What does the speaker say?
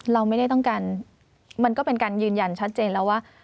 เราไม่ได้ต้องการมันก็เป็นการยืนยันชัดเจนแล้วว่า